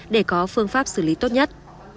để có phương pháp xử lý tốt nhất